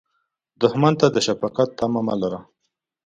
دښمن ته د شفقت تمه مه لره